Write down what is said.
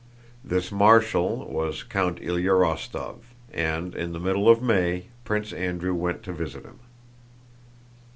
This Marshal was Count Ilyá Rostóv, and in the middle of May Prince Andrew went to visit him.